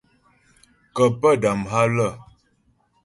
Kə́ pə́ dam há lə́.